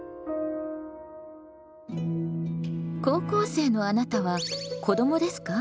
高校生のあなたは子どもですか？